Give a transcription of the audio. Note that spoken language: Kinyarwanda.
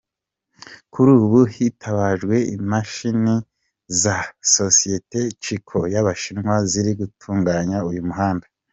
Kuri ubu hitabajwe imashini za sosiyete Ciko y’Abashinwa ziri gutunganya uyu muhanda.